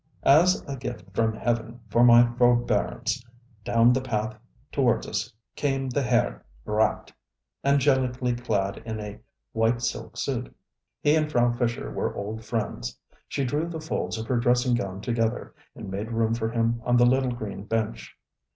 As a gift from heaven for my forbearance, down the path towards us came the Herr Rat, angelically clad in a white silk suit. He and Frau Fischer were old friends. She drew the folds of her dressing gown together, and made room for him on the little green bench.